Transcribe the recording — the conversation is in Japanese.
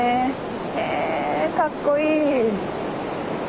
へぇかっこいい！